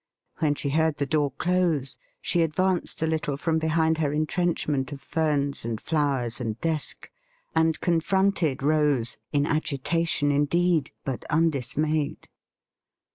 When she heard the door close she advanced a little from behind her entrenchment of ferns and flowers and desk, and confronted Rose, in agitation indeed, but undismayed.